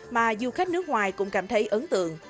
mà du khách nước ngoài cũng cảm thấy ấn tượng